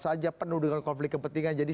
saja penuh dengan konflik kepentingan jadi